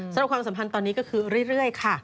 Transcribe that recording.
ความสัมพันธ์ตอนนี้ก็คือเรื่อยค่ะ